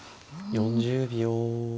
４０秒。